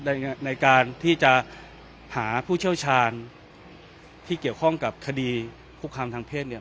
ในการที่จะหาผู้เชี่ยวชาญที่เกี่ยวข้องกับคดีคุกคามทางเพศเนี่ย